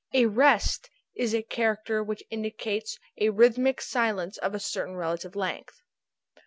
A rest is a character which indicates a rhythmic silence of a certain relative length.